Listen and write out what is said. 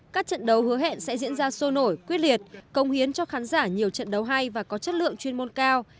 các trận đấu hứa hẹn sẽ diễn ra sôi nổi quyết liệt công hiến cho khán giả nhiều trận đấu hay và có chất lượng chuyên môn cao